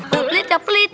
gak pelit ya pelit